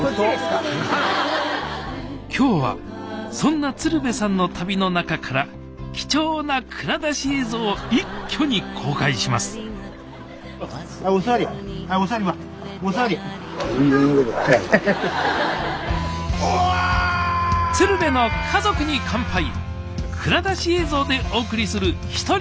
今日はそんな鶴瓶さんの旅の中から貴重な蔵出し映像を一挙に公開しますおお！